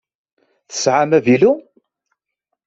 Tesɛam avilu?